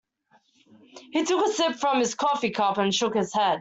He took a sip from his coffee cup and shook his head.